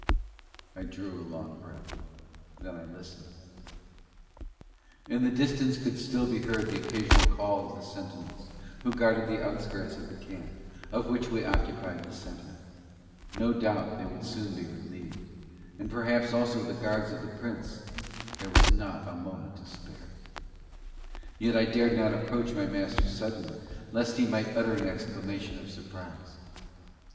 I drew a long breath; then I listened; in the distance could still be heard the occasional call of the sentinels who guarded the outskirts of the camp, of which we occupied the centre; no doubt they would soon be relieved and perhaps also the guards of the Prince; there was not a moment to spare. Yet I dared not approach my Master suddenly, lest he might utter an exclamation of surprise.